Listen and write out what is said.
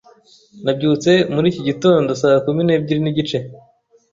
Nabyutse muri iki gitondo saa kumi n'ebyiri n'igice.